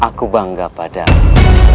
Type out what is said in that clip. aku bangga padamu